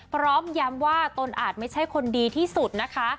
พร้อมย้ำว่าตนอาจไม่ใช่คนดีที่สุดนะคะ